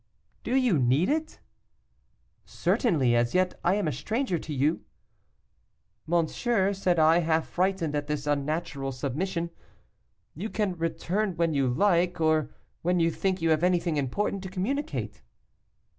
'Do you need it?' 'Certainly, as yet I am a stranger to you.' 'Monsieur,' said I, half frightened at this unnatural submission, 'you can return when you like, or when you think you have anything important to communicate.